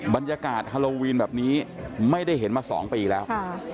บรรยากาศฮาโลวีนแบบนี้ไม่ได้เห็นมา๒ปีแล้ว